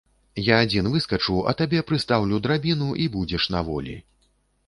Я адзін выскачу, а табе прыстаўлю драбіну, і будзеш на волі.